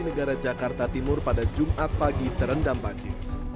negara jakarta timur pada jumat pagi terendam banjir